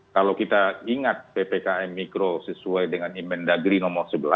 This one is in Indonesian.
kalau kita ingat ppkm mikro sesuai dengan inmen dagri nomor sebelas